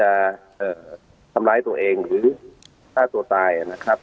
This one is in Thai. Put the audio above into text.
ทำร้ายตัวเองหรือฆ่าตัวตายนะครับ